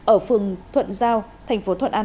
ở phường thuận giao thành phố thuận an